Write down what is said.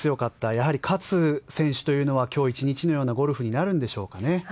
やはり勝つ選手というのは今日１日にのようなゴルフになるんですかね。